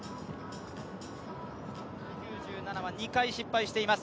１ｍ９７は２回失敗をしています